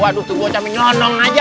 waduh tuh gua cami nyonong aja